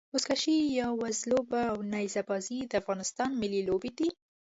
بزکشي يا وزلوبه او نيزه بازي د افغانستان ملي لوبي دي.